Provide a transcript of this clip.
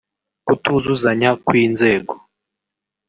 Kutuzuzanya kw’inzego